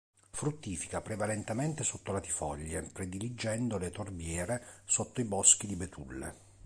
Fruttifica prevalentemente sotto latifoglie prediligendo le torbiere sotto i boschi di betulle.